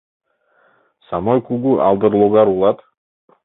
Самой кугу алдыр логар улат!